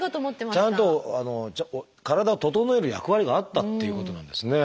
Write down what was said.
ちゃんと体を整える役割があったっていうことなんですね。